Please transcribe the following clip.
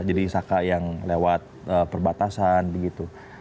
jadi saka yang lewat perbatasan gitu